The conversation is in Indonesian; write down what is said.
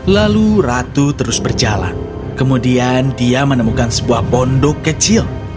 lalu ratu terus berjalan kemudian dia menemukan sebuah pondok kecil